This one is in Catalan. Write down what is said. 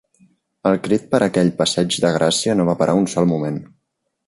El crit per aquell passeig de Gracia no va parar un sol moment